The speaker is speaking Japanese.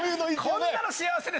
こんなの幸せです